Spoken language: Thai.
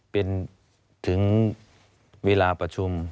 เป็นถึงเวลาประชุม